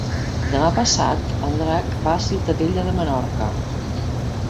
Demà passat en Drac va a Ciutadella de Menorca.